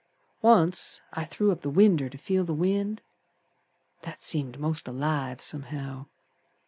Once I threw up the winder to feel the wind. That seemed most alive somehow.